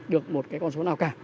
được một cái con số nào cả